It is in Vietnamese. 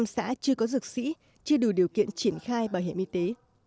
năm xã chưa có dược sĩ chưa đủ điều kiện triển khai bảo hiểm y tế